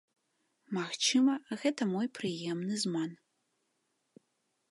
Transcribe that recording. Магчыма, гэта мой прыемны зман.